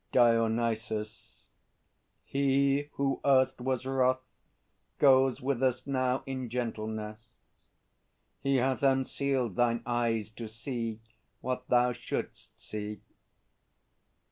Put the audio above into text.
DIONYSUS. He who erst was wrath, Goes with us now in gentleness. He hath Unsealed thine eyes to see what thou shouldst see.